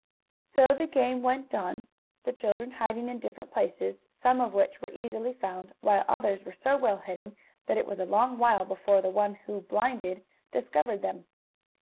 So the game went on, the children hiding in different places, some of which were easily found, while others were so well hidden that it was a long while before the one who "blinded" discovered them.